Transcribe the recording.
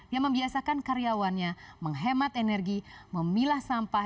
yang membiasakan karyawannya menghemat energi memilah sampah